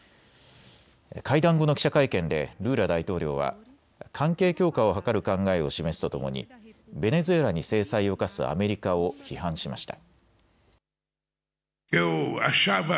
会談後の記者会見でルーラ大統領は関係強化を図る考えを示すとともにベネズエラに制裁を科すアメリカを批判しました。